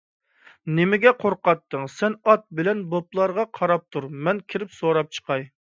نېمىگە قورقاتتىڭ، سەن ئات بىلەن بوپىلارغا قاراپ تۇر، مەن كىرىپ سوراپ باقاي.